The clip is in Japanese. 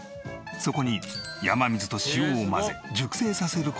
そこに山水と塩を混ぜ熟成させる事